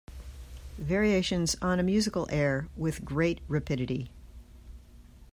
Variations on a musical air With great rapidity.